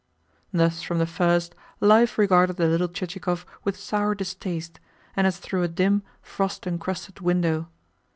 '" Thus from the first life regarded the little Chichikov with sour distaste, and as through a dim, frost encrusted window.